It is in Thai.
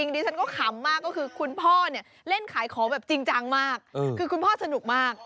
เลยตอนนี้ฉันก็ขำมากว่าคุณพ่อเนี่ยเล่นขายของจริงจังมากเพราะคุณพ่อสนุกมาก